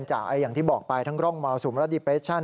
จากอย่างที่บอกไปทั้งร่องเมาสูงรัฐดิเฟรชั่น